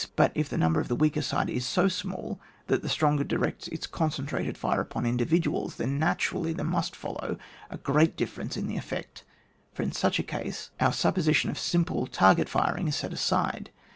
But if the number of the weaker side is so small that the stronger directs his concentrated fire upon individuals, then naturally there must follow a great difference in the effect, for, in such a case, our supposi ♦ See chap, xii., Book III.— Tr. 134 ON WAR. tion of simple target firing is set aside.